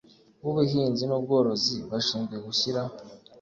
W ubuhinzi n ubworozi bashinzwe gushyira